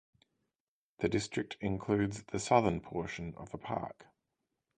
The district includes the southern portion of a park.